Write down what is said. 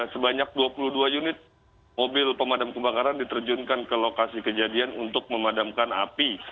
sebanyak dua puluh dua unit mobil pemadam kebakaran diterjunkan ke lokasi kejadian untuk memadamkan api